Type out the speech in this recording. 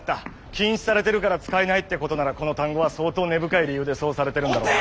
「禁止」されてるから使えないってことならこの単語は相当根深い理由でそうされてるんだろうな。